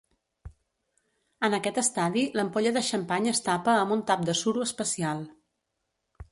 En aquest estadi, l'ampolla de xampany es tapa amb un tap de suro especial.